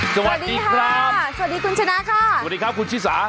สวัสดีครับสวัสดีคุณชนะค่ะสวัสดีครับคุณชิสา